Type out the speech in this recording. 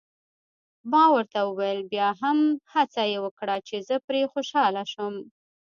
ما ورته وویل: بیا هم هڅه یې وکړه، چې زه پرې خوشحاله شم.